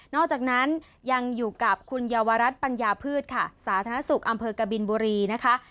อกจากนั้นยังอยู่กับคุณเยาวรัฐปัญญาพืชค่ะสาธารณสุขอำเภอกบินบุรีนะคะ